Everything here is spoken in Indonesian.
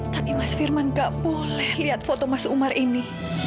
tapi mas firman gak boleh lihat foto mas umar ini